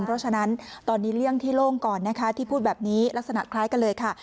เพราะฉะนั้นตอนนี้เลี่ยงที่โล่งก่อนนะคะที่พูดแบบนี้ลักษณะคล้ายกันเลยค่ะ